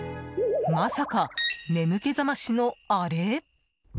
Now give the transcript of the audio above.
まさか、眠気覚ましのアレ？